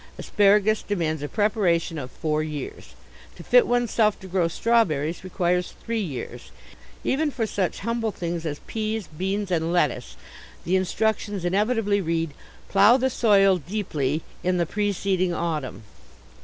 Asparagus demands a preparation of four years. To fit oneself to grow strawberries requires three years. Even for such humble things as peas, beans, and lettuce the instructions inevitably read, "plough the soil deeply in the preceeding autumn."